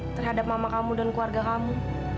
terhadap mama kamu dan keluarga kamu